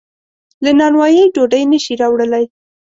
له نانوایۍ ډوډۍ نشي راوړلی.